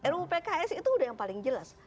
ruu pks itu udah yang paling jelas